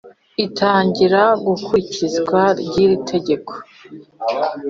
itangira gukurikizwa ry iri tegeko